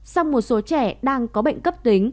sau một số trẻ đang có bệnh cấp tính